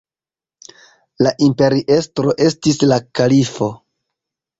La imperiestro estis la kalifo.